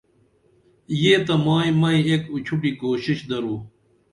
یہ تہ مائی مئی ایک اُچھوٹی کوشش درو